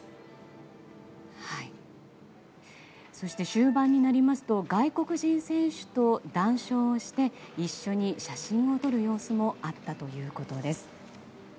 そして、終盤になりますと外国人選手と談笑して一緒に写真を撮る様子もあったということです。